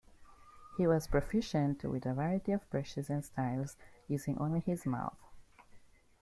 He was proficient with a variety of brushes and styles, using only his mouth.